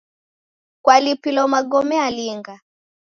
Kwalipilo magome alinga?